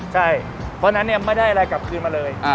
ใช่เพราะฉะนั้นไม่ได้อะไรกลับคืนมาเลย